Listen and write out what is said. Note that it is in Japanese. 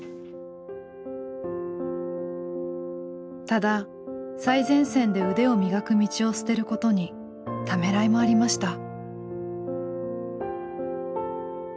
ただ最前線で腕を磨く道を捨てることにためらいもありました。